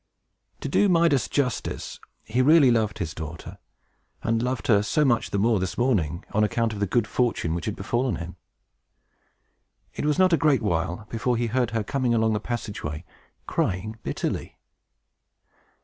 To do Midas justice, he really loved his daughter, and loved her so much the more this morning, on account of the good fortune which had befallen him. It was not a great while before he heard her coming along the passageway crying bitterly.